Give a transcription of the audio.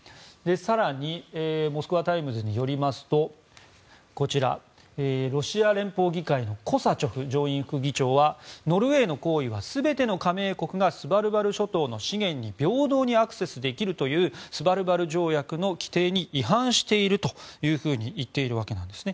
更に、モスクワタイムズによりますとこちら、ロシア連邦議会のコサチョフ上院副議長はノルウェーの行為は全ての加盟国がスバルバル諸島の資源に平等にアクセスできるというスバルバル条約の規定に違反しているというふうに言っているわけです。